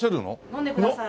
飲んでください。